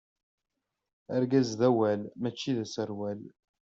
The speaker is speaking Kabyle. Argaz d awal mačči d aserwal.